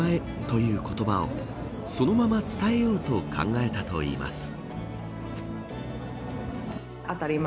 ＡＴＡＲＩＭＡＥという言葉をそのまま伝えようと考えたといいます。